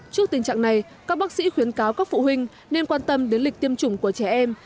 trước tình trạng này các bác sĩ khuyến cáo các phụ huynh nên quan tâm đến lịch tiêm chủng của trẻ em